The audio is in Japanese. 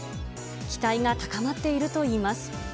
期待が高まっているといいます。